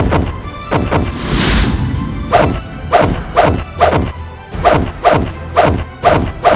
aku akan membuatmu mati